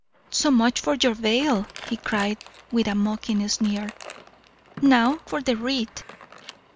"So much for your veil!" he cried, with a mocking sneer. "Now for the wreath!"